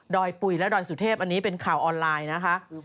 ปุ๋ยและดอยสุเทพอันนี้เป็นข่าวออนไลน์นะคะ